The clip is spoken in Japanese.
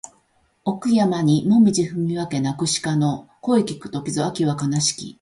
奥山にもみぢ踏み分け鳴く鹿の声聞く時ぞ秋は悲しき